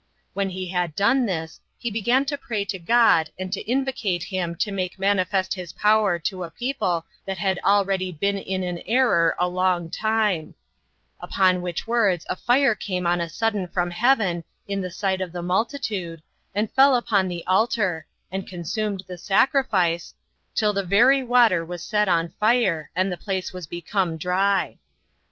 When he had done this, he began to pray to God, and to invocate him to make manifest his power to a people that had already been in an error a long time; upon which words a fire came on a sudden from heaven in the sight of the multitude, and fell upon the altar, and consumed the sacrifice, till the very water was set on fire, and the place was become dry.